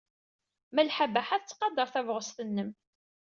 Malḥa Baḥa tettqadar tabɣest-nnem.